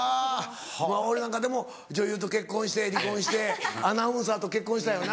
俺なんか女優と結婚して離婚してアナウンサーと結婚したよな。